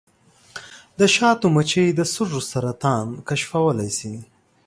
د شاتو مچۍ د سږو سرطان کشفولی شي.